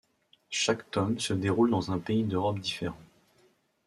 Chaque tome se déroule dans un pays d'Europe différent.